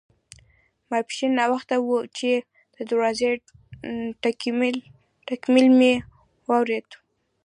ماپښین ناوخته وو چې د دروازې ټکېدل مې واوریدل.